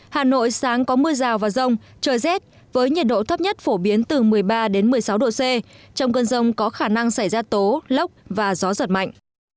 hà nội sáng có mưa rào và rông trời rét với nhiệt độ thấp nhất phổ biến từ một mươi ba một mươi sáu độ c trong cơn rông có khả năng xảy ra tố lốc và gió giật mạnh